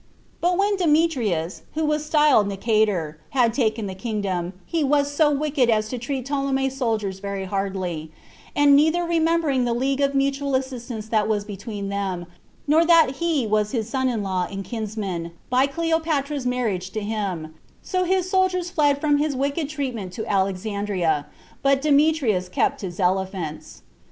9. But when Demetrius, who was styled Nicator, 9 had taken the kingdom, he was so wicked as to treat Ptolemy's soldiers very hardly, neither remembering the league of mutual assistance that was between them, nor that he was his son in law and kinsman, by Cleopatra's marriage to him; so the soldiers fled from his wicked treatment to Alexandria; but Demetrius kept his elephants.